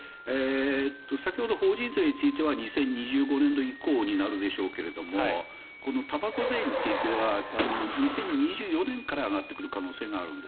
先ほど、法人税については２０２５年度以降になるでしょうけどたばこ税については２０２４年から上がってくる可能性があるんです。